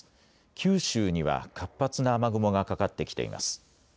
九州には活発な雨雲がかかってきています。